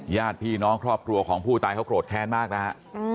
ญาติพี่น้องครอบครัวของผู้ตายเขาโกรธแค้นมากนะฮะ